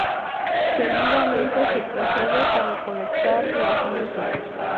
Seguidamente, se procede a recolectar las "nueces".